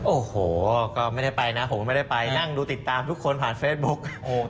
โอ้โหก็ไม่ได้ไปนะผมก็ไม่ได้ไปนั่งดูติดตามทุกคนผ่านเฟซบุ๊ก